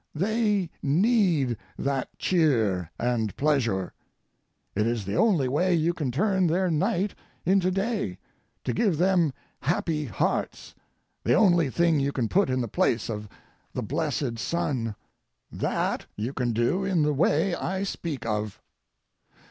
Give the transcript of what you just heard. They need that cheer and pleasure. It is the only way you can turn their night into day, to give them happy hearts, the only thing you can put in the place of the blessed sun. That you can do in the way I speak of.